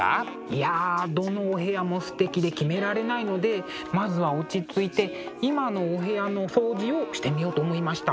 いやどのお部屋もすてきで決められないのでまずは落ち着いて今のお部屋の掃除をしてみようと思いました。